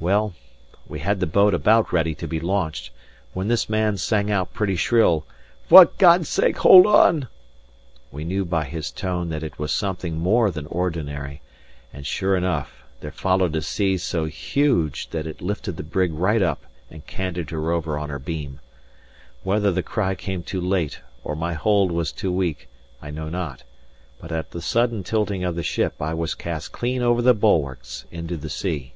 Well, we had the boat about ready to be launched, when this man sang out pretty shrill: "For God's sake, hold on!" We knew by his tone that it was something more than ordinary; and sure enough, there followed a sea so huge that it lifted the brig right up and canted her over on her beam. Whether the cry came too late, or my hold was too weak, I know not; but at the sudden tilting of the ship I was cast clean over the bulwarks into the sea.